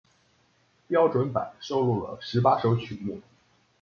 标准版收录了十八首曲目。